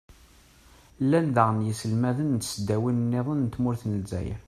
llan daɣen yiselmaden n tesdawin-nniḍen n tmurt n lezzayer.